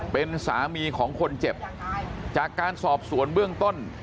เป็นสามีของคนเจ็บจากการสอบสวนเบื้องต้น